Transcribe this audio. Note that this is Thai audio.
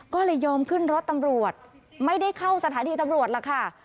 ก็เลยยอมขึ้นรถตำรวจไม่ได้เข้าสถานีตำรวจล่ะค่ะ